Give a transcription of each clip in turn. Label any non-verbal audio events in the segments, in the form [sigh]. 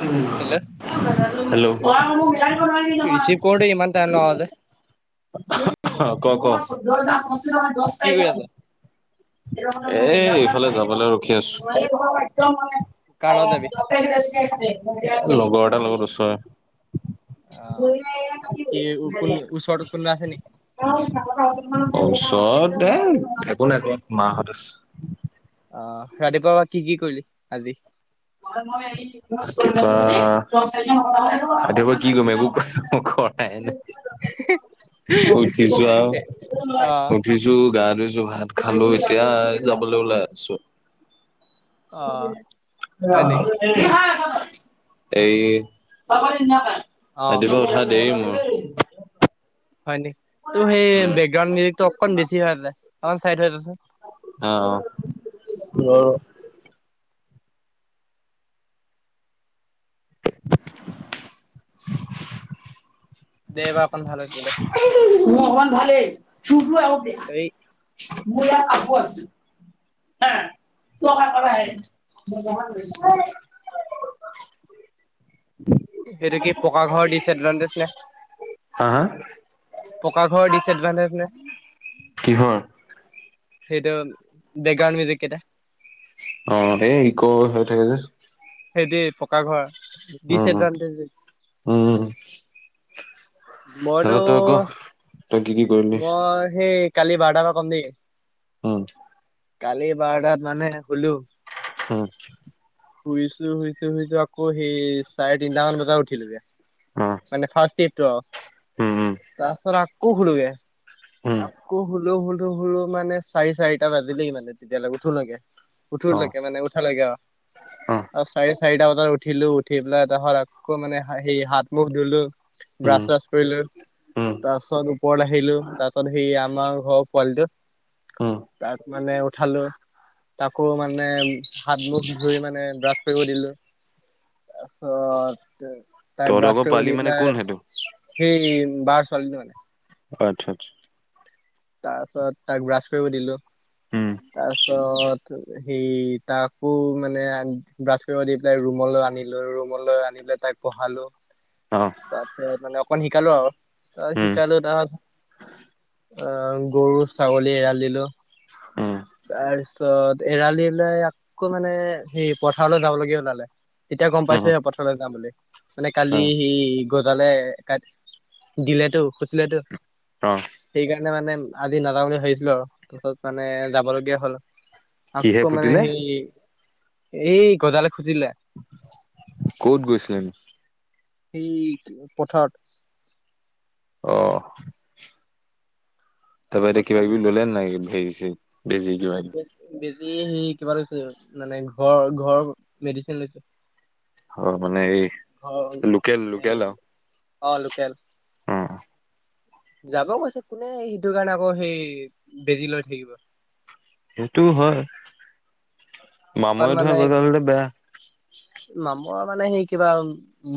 উম হেল মোক বিলাৰিব ৰিচিভ নোৱাৰিলি কৰোতে ইমান টাইম লগাওঁতে নহয় কি কৰি আছ? [unintelligible] এ এইফালে যাবলৈ ৰখি আছো কাৰ লগত যাবি? লগৰ এটাৰ লগত চৰে অ', কি ভ কোন ওচৰত কোনোবা আছে নি? চতে এ একো নাই ক মাহঁতে অ ৰাতিপাবা কি কি কৰিলি আজি আৰু ম ৰাুৱা ৰাতিুৱা কি কম একো ক মোক কৰা নাইনে উঠিছো আৰু এ অ', উঠিছো গা ধুইছো ভাত খালো এতিয়া যাবলৈ ওলাই আছো অ হয় নি? এই ৰাতিপুৱা উঠাত অ', দেমোৰ হয় নেকি ত সেই উম। বেকগাউড মউজিকটো অকন বেছি হৈ অক চাই যোন অ [inaudible] দে বাাপন ভাল ত মহান ভালে শুকলো এ দে এই [unintelligible] [unintelligible] সেইটো কি পকা ঘৰ দিছে দলছ নে হা পকা ঘৰৰ দিছে এডভানটেজ নে কিহৰ [unintelligible] অ এই কো হৈ থাকে যে সেইদি পকা ঘৰ উম ডিচএডভানটেজ। উম উম মইতো তাৰপা তই ক তই কি কি কৰিলি মই সেই কালি বাৰটাৰ পৰা কম দেই উম কালি বাৰটাত মানে খলো [inaudible] শুইছো শুইছো শুইছো আকৌ সেই চাৰে তিনিটাামান বজাত উঠিলোগে অ মানে ফাৰ্ষ্ট ইয়েটো উম উওম তাৰছত আকৌ হুলোগে উম উম আকৌ হল হ স সৰু মানে চাৰি চাৰিটা বাজিলেই মানে তেতিয়ালৈকে উঠো নাগে অ উঠলৈকে মানে উঠাল লৈকে অ অ চাৰেি চাৰিটা বজাত উঠিলো উঠি পেলাই তাহৰত আকৌ মানে হ হাত মুখ ধুলো ব্ৰাছ উম চাছ কৰিলো উম তাৰ পাছত ওপৰত আহিলো তাৰ পাছত আহ আমাৰ ঘৰ পোৱালিটো উম তাৰ মানে উঠালো তাকো মানে হাত মুখ ধুই মানে ড্ৰছ কৰিব দিলো তাৰপাছত তাই তহঁত ব্ৰাছ আকৌ কৰিব পোৱালি দি মানে কোন পেলাই সেইটো সেই বাৰ ছোৱালীজনী মানে আচ্ছা আচ্ছা তাৰ পাছত তাক ব্ৰাছ কৰিব দিলো উম তাৰপিছত সেই তাকো মানে ব্ৰাছ কৰিব দি পেলাই ৰুমলৈ আনিলোঁ ৰুমলৈ আনি পেলাই তাক পঢ়ালো অ তাৰপিছত মানে অকন শিকালো আৰু ত উম শিকালো তাৰছত অ', গৰু ছাগলী এৰাল দিলোঁ। উম। তাৰপিছত, এৰাল দি পেলাই আকৌ মানে এই পথাৰলৈ যাবলগীয়া ওলালে। তেতিয়া গম উম পাইছেহে পথাৰলে যাম বুলি মানে অ কালি হেৰি গজালে কাট দিলেতো খুচিলেতো। অ'। সেইকাৰণে মানে আজি নাযাওঁ বুলি ভাবিছিলোঁ আৰু তাৰপিছত মানে যাবলগীয়া হ'ল। কিহে আকৌ মানে ফুটিলে সেই, এই গজালে খুচি দিলে। ক'ত গৈছিলে? এই পথাৰত। অ'। তাৰপা এতিয়া তাৰপাছত কিবা মানে কিবি ল'লে নাই হেৰি চেৰি, বেজি কিবা কিবি? বেজি সেই কিবা [unintelligible] মানে ঘৰ, ঘৰ মেডিচিন লৈছোঁ। ঘৰ মানে ঘৰ এই লোকেল, এই লোকেল আৰু! অ', লোকেল। অ' যাব কৈছে, কোনে সেইটোৰ কাৰণে আকৌ সেই বেজি লৈ থাকিব! সেইটো হয়, অকণ মামৰে মানে ধৰা গজাল হ'লে বেয়া। মামৰ মানে হেৰি কিবা,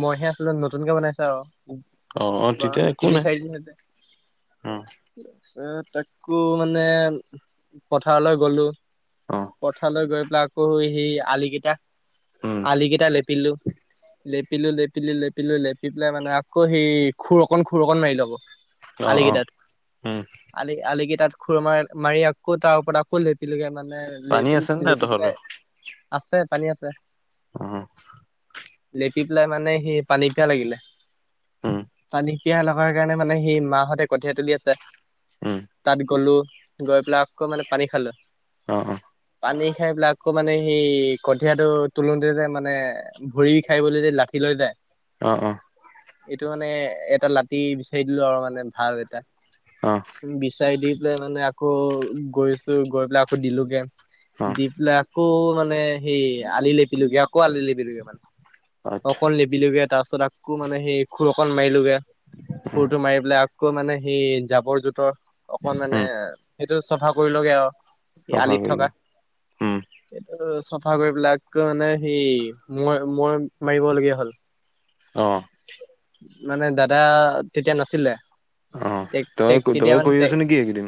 মইহে [unintelligible] নতুনকে বনাইছে আৰু। অ' অ' কিবা তেতিয়া একো তিনি নাই চাইড [unintelligible] অ' [unintelligible] আকৌ মানে পথাৰলৈ গ'লো। অ' পথাৰলৈ গৈ পেলাই আকৌ সেই আলিকিটা উম। আলিকিটা লেপিলোঁ, লেপিলোঁ, লেপি লেপিলো, লেপিলো-লেপি লৈ পেলাই মানে আকৌ সেই খুৰ অকন খুৰ অকণ মাৰিলো আকৌ। অ' অ' আলিকিটাত। উম আলি, আলি কিটাত খুৰ মাৰ- মাৰি আকৌ তাৰ ওপৰত আকৌ লেপিলোগে মানে। পানী আছে নে নাই লেপিল-লেপি তহঁতৰ? পেলাই আছে পানী আছে। উম। লেপি পেলাই মানে সেই পানী পিয়াহ লাগিলে, উম পানী পিয়াহ লগাৰ কাৰণে মানে সেই মাহঁতে কঠিয়াই তুলি আছে। উম। তাত গ'লো, গৈ পেলাই আকৌ মানে পানী খালোঁ। অ', অ'। পানী খাই পেলাই আকৌ মানে সেই কঠিয়াটো তুলো মানে ভৰি খাই বুলি যে লাঠি লৈ যায়। অ', অ'। এইটো মানে এটা লাঠি বিচাৰি দিলোঁ আৰু মানে ভাল এটা। অ'। বিচাৰি দি পেলাই মানে আকৌ গৈছোঁ, গৈ পেলাই আকৌ দিলোঁগে অ' দি পেলাই আকৌ, মানে সেই আলি লেপিলোগে, আকৌ আলি লেপিলগে মানে। আচ্ছা অকণ লেপি পিলোগে তাৰপিছত আকৌ মানে সেই খুৰ অকন মাৰিলোগে খুৰটো মাৰি পেলাই আকৌ মানে সেই জাৱৰ জোথৰ অকনমানে উম সেইটো চাফা কৰিলোগে আৰু। চাফা আলিত কৰি থকা, লোৱা উম সেইটো চফা কৰি পেলাই মানে হেৰি মই -মই মাৰিবলগীয়া হ'ল। অ'। মানে দাদা তেতিয়া নাছিলে। অ' তই টেক-টেক তেতিয়া তই মানে কৰি আছ টেক নেকি এইকেইদিন?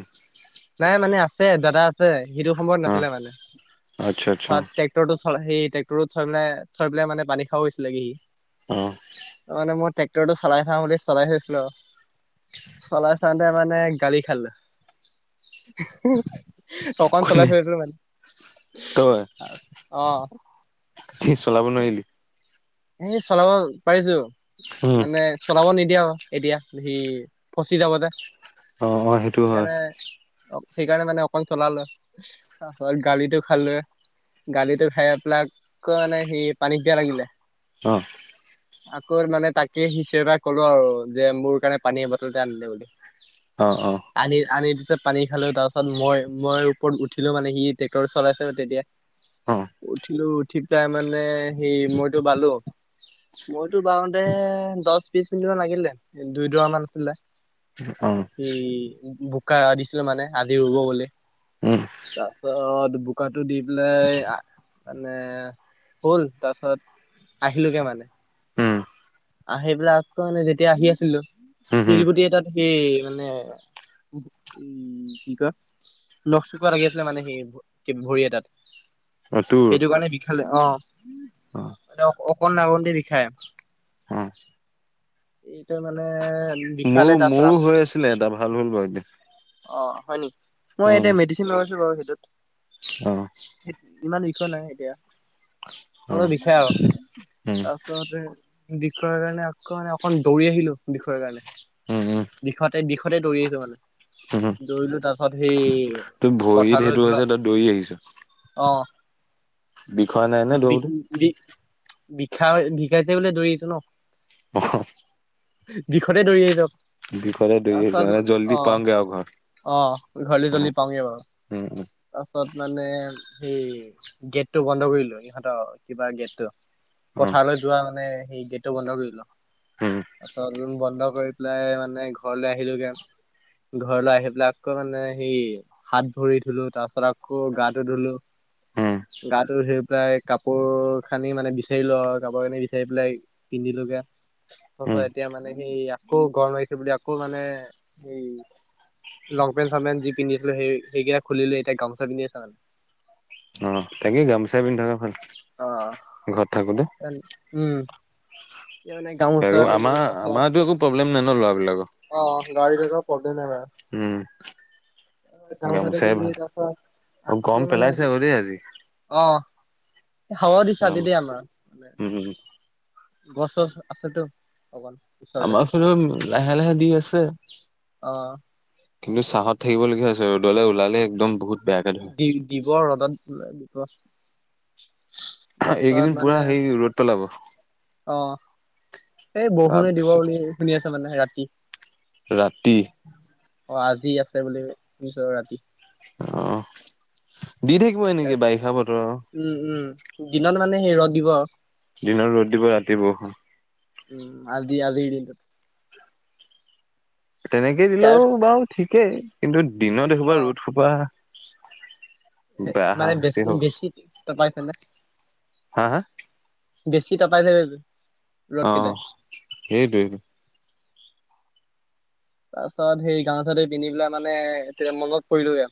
নাই মানে আছে, দাদা আছে সেইটো সময়ত অ' নাছিলে মানে। আচ্ছা আচ্ছা ট্ৰেক্টৰটো সেই ট্ৰেক্টৰৰত থৈ পেলাই, থৈ পেলাই মানে পানী খাব গৈছিলে সি। অ'। তাৰমানে, মই ট্ৰেক্টৰটো চলাই চাওঁ বুলি চলাই চাইছিলোঁ আৰু। চলাই চাওঁতে মানে গালি খালে। অকণ চলাই কোনে থৈছিলোঁ মানে। তই। অ'। কি চলাব নোৱাৰিলি। এ, চলাব পাৰিছোঁ, উম মানে চলাব নিদিয়ে আৰু এতিয়া সি ফচি যাব যে, অ' অ' সেইটো হয় সেইকাৰণে অ' সেইকাৰণে মানে অকন চলালো, [inaudible] গালিটো খালোৱে। গালিটো খাই পেলাই আকৌ মানে সি পানী পিয়া লাগিলে। অ'। আকৌ মানে তাকে সি [unintelligible] পৰা ক'লো আৰু যে মোৰ কাৰণে পানীৰ বটলতে আনি দে বুলি। অ', অ'। আনি আনি পিছে পানী খালোঁ তাৰ পাছত মই মই ওপৰত উঠিলোঁ মানে সি ট্ৰেক্টৰ চলাইছে তেতিয়া। অ উঠিলোঁ উঠি পেলাই মানে, সেই মইটো বালো। মইটো বাৱতে দহ বিশ মিনিটমান লাগিলে, দুই দৰা মান আছিলে। অ'। এই বোকা দিছিল মানে আজি ৰুব বুলি। উম। তাৰ পিছত বোকাটো দি পেলাই আ মানে হ'ল তাৰপিছত আহিলোগে মানে। উম আহি পেলাই আকৌ মানে যেতিয়া আহি আছিলোঁ, হম হম শিলগুটি এটাত সি মানে কি কয় নখ চকা লাগি আছিলে মানে সেই ভৰি এটাত। অ তোৰ সেইটো কাৰণে বিষালে অ' অ মানে অক অকণ [unintelligible] বিষায়। অ এইটা মানে মোৰ বিষালে মোৰো তাৰপিছত হৈ আছিলে এটা ভাল হ'ল বাৰু এতিয়া। অ' হয় নেকি। মই উম এতিয়া মেডিচিন লগাইছোঁ বাৰু সেইটোত। অ'। ইমান বিষয় নাই এতিয়া, অ অলপ বিষয় আৰু। উম অ' [unintelligible] বিষৰ কাৰণে আকৌ মানে অকণ দৌৰি আহিলোঁ বিষৰ কাৰণে। উম বিষতে বিষতে দৌৰি আহিছোঁ মানে। উম উম দৌৰিলো তাৰ পিছত সেই, তোৰ ভৰিত সেইটো পথাৰলৈ যোৱা। হৈছে তই দৌৰি আহিছ বিষোৱা নাই নে অ' দৌৰোতে বি-বি বিষা গিষাইছে বুলি দৌৰি আহিছোঁ ন'। [unintelligible] দিষতে দৌৰি আহি [unintelligible] বিষতে দৌৰি আহিছোঁ মানে জল্দি পাওঁগে আৰু ঘৰত। অ' ঘৰলৈ জ্বলদি পাওঁয়েই বাৰু। উম তাৰপাছত মানে সেই গেটটো বন্ধ কৰি দিলোঁ ইহঁতৰ কিবা গেটটো। উম অ পথাৰলৈ যোৱা মানে সেই গেটটো বন্ধ কৰিলোঁ, উম তাৰপাছত [unintelligible] বন্ধ কৰি [unintelligible] মানে ঘৰলৈ আহিলোগে। ঘৰলৈ আহি পেলাই মানে সেই হাত ভৰি ধুলোঁ তাৰ পিছত আকৌ গাটো ধুলোঁ। উম গাটো ধুই পেলাই কাপ কাপোৰ খানি মানে বিচাৰিলোঁ আৰু কাপোৰ খানি বিচাৰি পেলাই পিন্ধিলোগে। উম এতিয়া মানে সেই আকৌ গৰম মাৰিছে বুলি আকৌ মানে সেই লংপেন্ট চংপেন্ট যি পিন্ধিছিলোঁ সেই সেইকেটা খুলিলোঁ এতিয়া গামচা পিন্ধি আছু মানে। অ' তাকে গামোচা পিন্ধাকে ভাল। ঘৰত থাকোতে অ' উম, এতিয়া মানে আৰু গামচা আমাৰ পিন্ধিলোঁ আমাৰতো একো প্ৰব্লেম নাই ন ল'ৰাবিলাকৰ তাৰপাছত অ' গাড়ীৰ একো প্ৰব্লেম নাই বাৰু। উম, গামোচাটো গামোচাই পিন্ধি ভাল তাৰপাছত অ' আকৌ গৰম মানে পেলাইছে বাৰু দেই আজি। অ। হাৱা দিছা দি উম দেই আমাৰ মানে উম গছ চছ আছেতো অকন আমাৰ ফালেও লাহে লাহে দি আছে। অ। কিন্তু চাহত থাকিবলগীয়া হৈছে ৰ'দলে ওলালে একদম বহুত বেয়াকে এই ধৰে দি দিব ৰ'দত দিব তাৰপাছত এইকেইদিন পুৰা মানে সেই ৰ'দ পেলাব। অ এই বৰষুণে দিব তাৰপিছত বুলি শুনি আছো মানে ৰাতি। ৰাতি অ আজি আছে বুলি শুনিছোঁ ৰাতি। অ দি থাকিব এনেকে বাৰিষা বতৰ আৰু উম উম দিনত মানে সেই ৰ'দ দিব। দিনত ৰ'দ দিব ৰাতি বৰষুণ। আজি আজিৰ দিনটো তেনেকে দিলেও বাৰু ঠিকেই কিন্তু দিনত এইসোপা অ' ৰ'দ সোপা বেয়া মানে হাৰাশাস্তি বেছি হ'ব বেছি তপাইছে নে হা হা বেছি তপাইছে অ সেইটোৱেতো তাৰ পাছত সেই গাঁও [unintelligible] পিন্ধি পেলাই মানে মনত পুৰিলো আৰু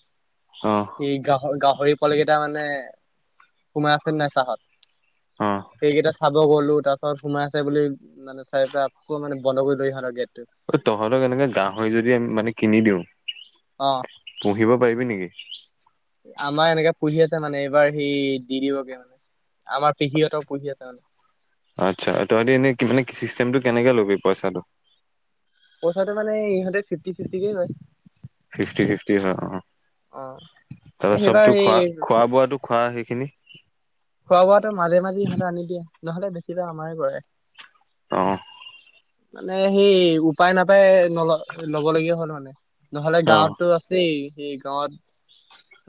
অ। এই গাহৰি গাহৰি পোৱালি কেইটা মানে সোমাই আছে নাই চাহত? অ সেইকেইটা চাব গলো তাৰ পিছত সোমাই আছে বুলি মানে চাই পেলাই আকৌ মানে বন্ধ কৰি থৈ আহিলোঁ আৰু গেটটো ঐ তহঁতক এনেকে গাহৰি যদি আমি মানে কিনি দিওঁ অ। পুহিব পাৰিবি নিকি? আমাৰ এনেকে পুহি আছে মানে এইবাৰ সেই দি‌ দিবগে মানে আমাৰ পেহীহঁতৰ পুহি আছে মানে আচ্ছা তহঁতি এনে কি মানে কি চিষ্টেমটো কেনেকে ল'বি পইচাটো? পইচাটো মানে ইহঁতে ফিফটি ফিফটিকেই কয়। ফিফটি ফিফটি হয় অ অ তাৰপা সেইবাৰ চবতো সেই খোৱা খোৱা বোৱাটো খোৱা সেইখিনি? খোৱা বোৱাটো মাজে মাজে ইহঁতে আনি দিয়ে নহ'লে বেছি আমাৰে খুৱাই। অ মানে সেই উপায় নাপায় নল ল'ব লগীয়া হ'ল মানে নহ'লে অ গাঁৱতো সি সেই গাঁৱত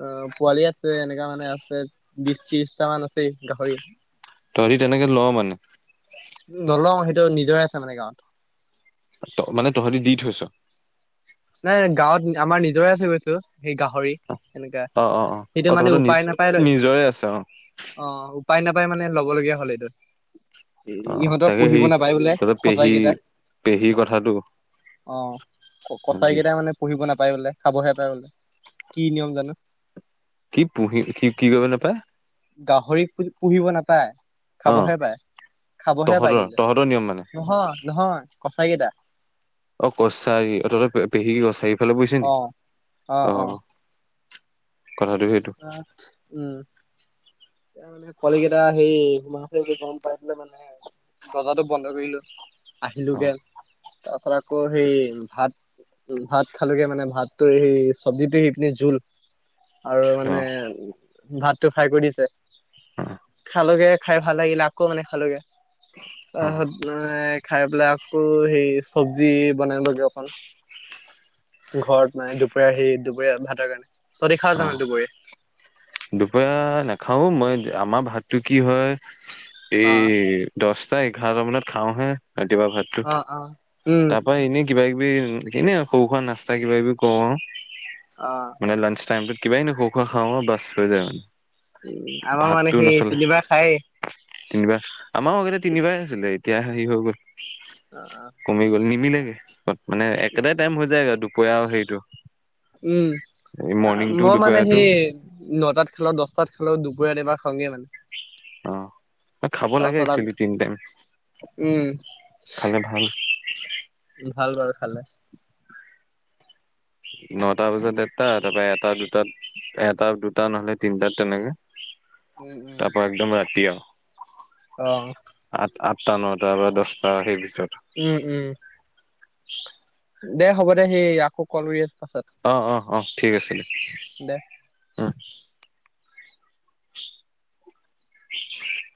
অ পোৱালি আছে এনেকা মানে আছে বিশ, ত্ৰিশটা মান আছে গাহৰি তহঁতি তেনেকে ল' মানে নলওঁ সেইটো নিজৰে আছে মানে গাঁৱত ত মানে তহঁতি দি থৈছ নাই গাঁৱত আমাৰ নিজৰে আছে কৈছো সেই গাহৰি এনেকা অ অ অ অ সেইটো মানে তহঁতৰ নিজ উপায় নাপায় লৈ নিজৰে আছে অ অ উপায় নাপায় মানে ল'বলগীয়া হ'ল এইটোত। এ অ ইহঁতৰ তাকে পুহিব সেই নাপায় বোলে তহঁতৰ কছাৰী পেহী কেইটা পেহী কথাটো অ কছাৰী কেইটাই মানে পু়হিব নাপায় বোলে খাবহে পায় বোলে কি নিয়ম জানো কি পুহি কি কি কৰিব নাপায় গাহৰিক পুহিব নাপায় অ খাবহে পাই খাবহে পায় তহঁতৰ তহঁতৰ নিয়ম মানে নহয় নহয় কছাৰী কেইটা অ কছাৰী অ তহঁতৰ পেহী কছাৰী ঘৰলে পৰিছে অ নেকি অ কথাটো সেইটো উম এতিয়া মানে পোৱালী কেইটা হেই [unintelligible] বুলি গম পাই মানে দৰ্জাটো বন্ধ কৰিলো অ আহিলোগে তাৰপাছত আকৌ সেই ভাত ভাত খালোগে মানে ভাতো সেই চব্জিটো সেইখিনি জোল আৰু অ মানে ভাতটো ফ্ৰাই কৰি দিছে। আহ। লোগে খাই ভাল লাগিলে আকৌ মানে খালোগে, অ [unintelligible] খাই পেলাই আকৌ হে চব্জি বনালোগে অকণ। ঘৰত মানে দুপৰীয়া সি দুপৰীয়া ভাতৰ, কাৰণে তহতি খা অ জানো দুপৰীয়া? দুপৰীয়া নাখাও মই আমাৰ ভাতটো কি হয় অ এই দশটা এঘাৰটা মানত খাওঁহে ৰাতিপুৱা ভাত। আ আ, উম। হয় এনে কিবা কিবি এনে সৰু খুৰা নাস্তা কিবা কিবি কওঁ আৰু। অ মানে লাঞ্চ টাইমটোত কিবাই ন খও খোৱা খাওঁ আৰু বাছ হৈ যায় মানে। আমাৰ মানে ভাতটো সেই নচলে তিনিবাৰ খায়। তিনিবাৰ, আমাৰ আগতে তিনিবাৰে আছিলে এতিয়া হেৰি হৈ গ'ল। অ'। কমি গ'ল নিমিলেগেত মানে একেটাই টাইম হৈ যায়গে আৰু দুপৰীয়া আৰু হেৰিটো। উম, মৰ্ণিংটো মই মানে দুপৰীয়াটো সেই নটাত খেলা দহটাত খেলোও দুপৰাত এবাৰ খাওঁগে মানে। অ খাব তাৰ লাগে ফল, একচুৱেলি তিনি টাইম উম। খালে ভাল উ ভাল বাল খালে। নটা বজাত দেৰটা তাৰপৰা এটা দুটাত। এটা দুটা নহলে তিনটাত তেনেকে উম উম তাৰ পৰা একদম ৰাতি আৰু। অ'। আঠ-আঠটা নটা বা দছটা সেই ভিতৰত। উম উম। দে হ'ব দে সেই আকৌ কল কৰি আছোঁ। অ', অ', অ', ঠিক আছিলে। দে। [inaudible]